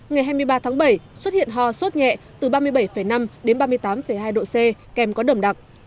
ngày hai mươi ba tháng bảy xuất hiện ho suốt nhẹ từ ba mươi bảy năm đến ba mươi tám hai độ c kèm có đầm đặc